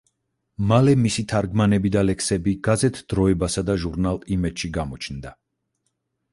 მალე მისი თარგმანები და ლექსები გაზეთ „დროებასა“ და ჟურნალ „იმედში“ გამოჩნდა.